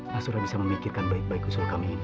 mas surah bisa memikirkan baik baik usul kami ini